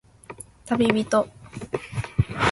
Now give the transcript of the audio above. たびびと